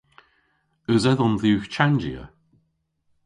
Eus edhom dhywgh chanjya?